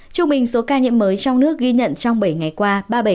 trung bình số ca nhiễm mới trong nước ghi nhận trong bảy ngày qua